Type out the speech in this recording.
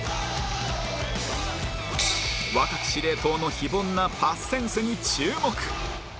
若き司令塔の非凡なパスセンスに注目